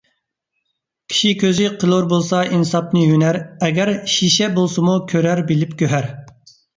كىشى كۆزى قىلۇر بولسا ئىنساپنى ھۈنەر، ئەگەر شېشە بولسىمۇ كۆرەر بىلىپ گۆھەر.